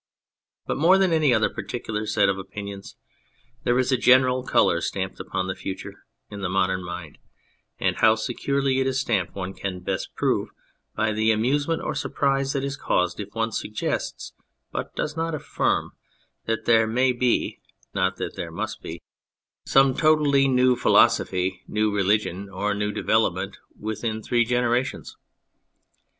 But more than any particular set of opinions, there is a general colour stamped upon the future in the modern mind, and how securely it is stamped one can best prove by the amusement or surprise that is caused if one suggests (but does not affirm) that there may be (not that there must be) some totally 47 On Anything new philosophy, new religion, or new development within three generations.